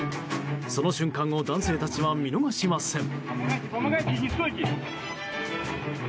その瞬間を男性たちは見逃しません。